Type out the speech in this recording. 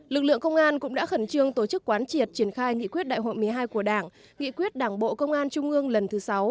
lực lượng công an cũng đã khẩn trương tổ chức quán triệt triển khai nghị quyết đại hội một mươi hai của đảng nghị quyết đảng bộ công an trung ương lần thứ sáu